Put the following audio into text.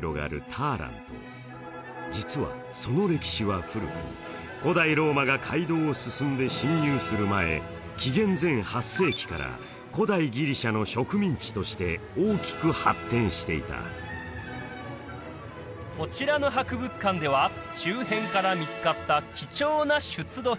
ターラント実はその歴史は古く古代ローマが街道を進んで進入する前紀元前８世紀から古代ギリシャの植民地として大きく発展していたこちらの博物館では周辺から見つかった貴重な出土品